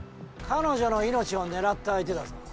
彼女の命を狙った相手だぞ。